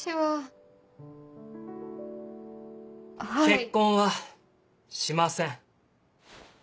結婚はしません。